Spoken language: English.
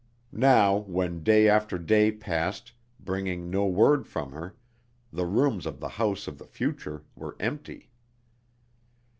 Now, when day after day passed, bringing no word from her, the rooms of the House of the Future were empty.